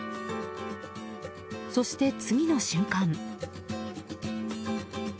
そして、次の瞬間。